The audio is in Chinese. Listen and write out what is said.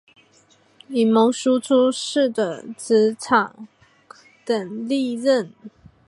以荫叙出仕的直长等历任。